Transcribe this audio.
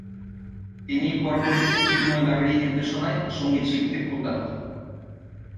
তিনি পরবর্তীতে চিন্ময় লাহিড়ী নির্দেশনায় সঙ্গীত শিখতে কলকাতা যান।